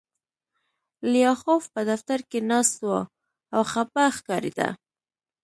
لیاخوف په دفتر کې ناست و او خپه ښکارېده